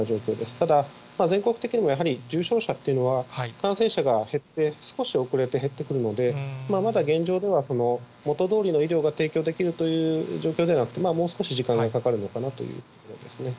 ただ、全国的にもやはり重症者っていうのは、感染者が減って、少し遅れて減ってくるので、まだ現状では、元どおりの医療が提供できるという状況ではなくて、もう少し時間がかかるのかなというところですね。